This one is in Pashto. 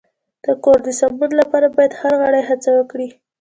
د کور د سمون لپاره باید هر غړی هڅه وکړي.